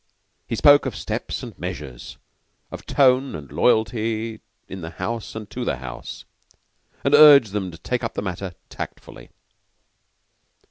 He spoke of steps and measures, of tone and loyalty in the house and to the house, and urged them to take up the matter tactfully.